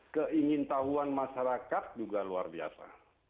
keingin tahuan masyarakat juga luar biasa